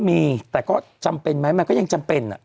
มีแต่ก็จำเป็นไหมมันก็ยังจำเป็น